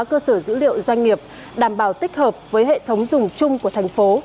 cơ sở dữ liệu doanh nghiệp đảm bảo tích hợp với hệ thống dùng chung của thành phố